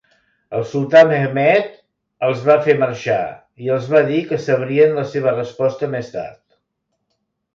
El sultà Mehmed els va fer marxar i els va dir que sabrien la seva resposta més tard.